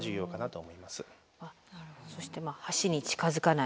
そしてまあ「橋に近づかない」。